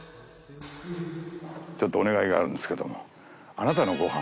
ちょっとお願いがあるんですけども。